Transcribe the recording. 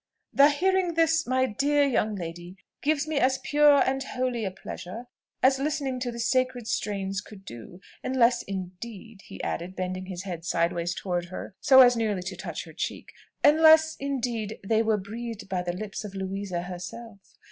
"The hearing this, my dear young lady, gives me as pure and holy a pleasure as listening to the sacred strains could do: unless, indeed," he added, bending his head sideways towards her, so as nearly to touch her cheek, "unless, indeed, they were breathed by the lips of Louisa herself.